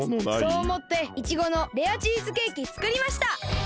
そうおもっていちごのレアチーズケーキつくりました。